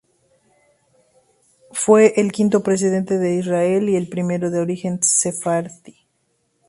Fue el quinto presidente de Israel y el primero de origen sefardí.